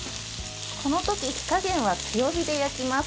このとき火加減は強火で焼きます。